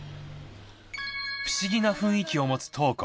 不思議な雰囲気を持つトウコ。